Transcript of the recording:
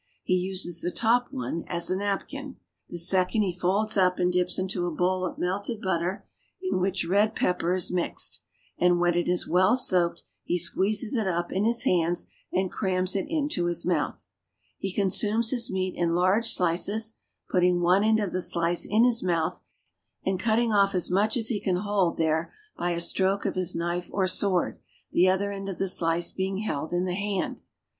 He uses the top one as a napkin. The second he folds up and dips into a bowl of melted butter in which red pepper is mixed, and when it is well soaked he squeezes it up in his hands and crams it into his mouth. He consumes his meat in large slices, putting one end of the slice in his mouth and cutting off as much as he can hold there by a stroke of his knife or sword, the other end of the slice being held in the hand.